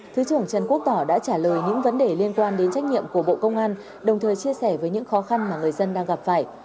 thứ trưởng trần quốc tỏ đã trả lời những vấn đề liên quan đến trách nhiệm của bộ công an đồng thời chia sẻ với những khó khăn mà người dân đang gặp phải